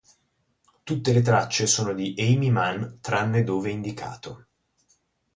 Tutte le tracce sono di Aimee Mann tranne dove indicato.